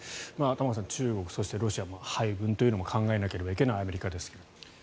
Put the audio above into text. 玉川さん、中国そしてロシアの配分というのも考えなければいけないアメリカですが。